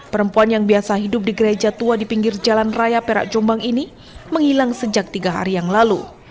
perempuan yang biasa hidup di gereja tua di pinggir jalan raya perak jombang ini menghilang sejak tiga hari yang lalu